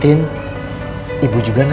tin ibu juga nanya